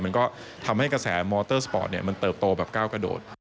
มันก็ทำให้กระแสมอเตอร์สปอร์ตมันเติบโตแบบก้าวกระโดด